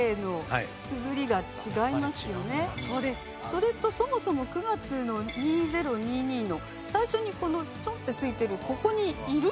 それとそもそも９月の２０２２の最初にこのちょんってついてるここにいる？